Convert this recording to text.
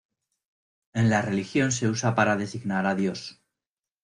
En la religión se usa para designar a Dios.